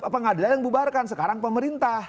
dulu pengadilan yang dibubarkan sekarang pemerintah